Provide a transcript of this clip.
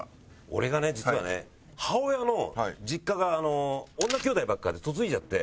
俺がね実はね母親の実家が女きょうだいばっかで嫁いじゃって。